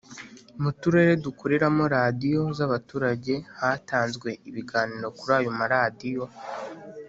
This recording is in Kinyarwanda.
Mu turere dukoreramo Radiyo z’abaturage hatanzwe ibiganiro kuri ayo maradiyo